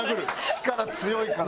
力強いから。